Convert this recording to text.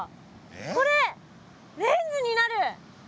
これレンズになる！